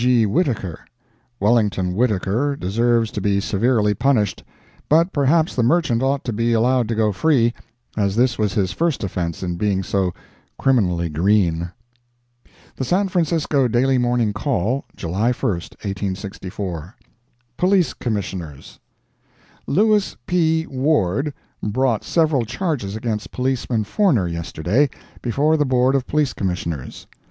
G. Whittaker. Wellington Whittaker deserves to be severely punished, but perhaps the merchant ought to be allowed to go free, as this was his first offence in being so criminally green. The San Francisco Daily Morning Call, July 1, 1864 POLICE COMMISSIONERS Lewis P. Ward brought several charges against Policeman Forner, yesterday, before the Board of Police Commissioners.